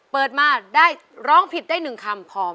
เปิดมาได้ร้องผิดได้๑คำพร้อม